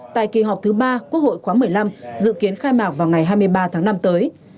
tại kỳ họp thứ ba quốc hội khóa một mươi năm dự kiến khai mạc vào ngày hai mươi ba tháng năm tới